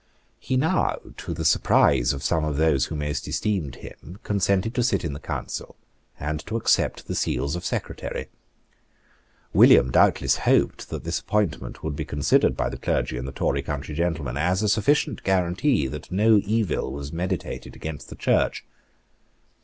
He now, to the surprise of some of those who most esteemed him, consented to sit in the council, and to accept the seals of Secretary. William doubtless hoped that this appointment would be considered by the clergy and the Tory country gentlemen as a sufficient guarantee that no evil was meditated against the Church.